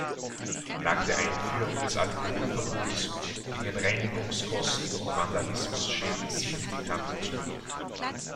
Nach der Einführung des Alkoholverbots gingen Reinigungskosten und Vandalismusschäden signifikant zurück.